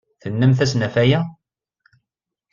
Tennamt-asen ɣef waya?